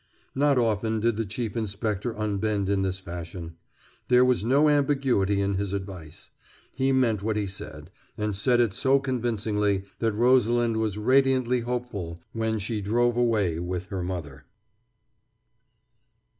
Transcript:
Not often did the Chief Inspector unbend in this fashion. There was no ambiguity in his advice. He meant what he said, and said it so convincingly that Rosalind was radiantly hopeful when she drove away with her mother.